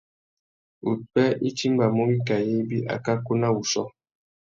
Upwê i timbamú wikā ibi, akakú na wuchiô.